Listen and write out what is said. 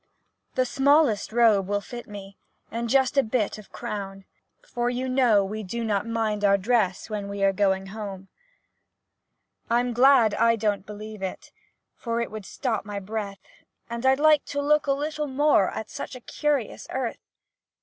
The smallest "robe" will fit me, And just a bit of "crown;" For you know we do not mind our dress When we are going home. I 'm glad I don't believe it, For it would stop my breath, And I 'd like to look a little more At such a curious earth!